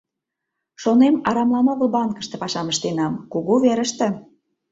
Шонем, арамлан огыл банкыште пашам ыштенам, кугу верыште.